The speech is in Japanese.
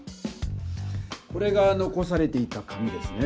これがのこされていた紙ですね。